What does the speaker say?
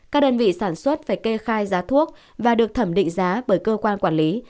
các đơn vị sản xuất phải kê khai giá thuốc và được thẩm định giá bởi cơ quan quản lý